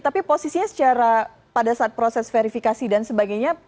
tapi posisinya secara pada saat proses verifikasi dan sebagainya